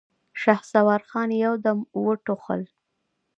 شهسوار خان يودم وټوخل.